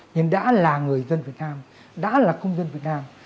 nhưng đã là người dân việt nam đã là công dân việt nam